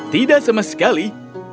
tidak sama sekali